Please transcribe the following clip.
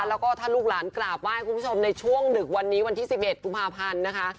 แล้วก็ถ้าลูกหลานกราบไหว้คุณผู้ชมในช่วงดึกวันนี้วันที่๑๑กุมภาพันธ์นะคะ